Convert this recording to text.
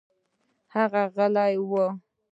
هغه غلى و.